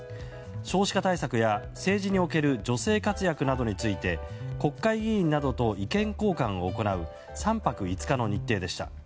少子化対策や政治における女性活躍などについて国会議員などと意見交換を行う３泊５日の日程でした。